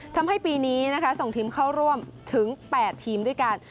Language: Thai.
ทำให้ปีนี้นะคะส่งทีมเข้าร่วมถึง๘ทีมด้วยกัน